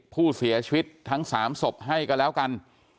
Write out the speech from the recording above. ผู้เสียชีวิตทั้ง๓ศพให้ก็แล้วกัน